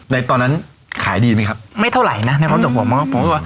ในตอนนั้นขายดีไหมครับไม่เท่าไหร่นะในความสุขผมบอกผมว่าค่ะ